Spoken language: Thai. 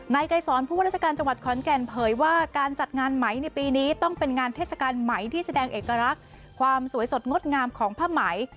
ไกรสอนผู้ว่าราชการจังหวัดขอนแก่นเผยว่าการจัดงานไหมในปีนี้ต้องเป็นงานเทศกาลไหมที่แสดงเอกลักษณ์ความสวยสดงดงามของผ้าไหม